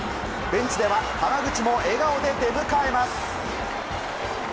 ベンチでは濱口も笑顔で出迎えます。